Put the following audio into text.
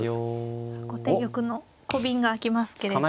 後手玉のコビンがあきますけれど。